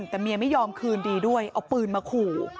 แต่เมียไม่ยอมคืนดีด้วยเอาปืนมาขู่